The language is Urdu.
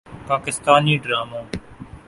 پاکستانی ڈراموں